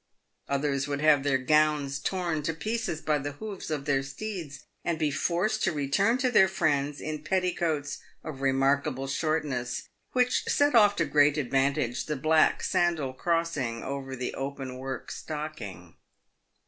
Others would have their gowns torn to pieces by the hoofs of their steeds, and be forced to return to their friends in petticoats of remarkable shortness, which set off to great advantage the black sandal crossing over the open work stocking.